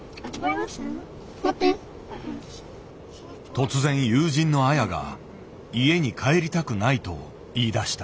突然友人のアヤが「家に帰りたくない」と言いだした。